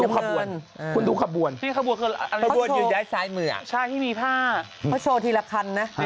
คุณดูข้าวบวนอันนี้ข้าวบวนอยู่ในซ้ายเหมือนใช่ที่มีภาพเพราะโชว์ทีละคันนะ